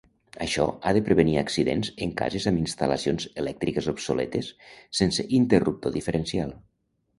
Això ha de prevenir accidents en cases amb instal·lacions elèctriques obsoletes sense interruptor diferencial.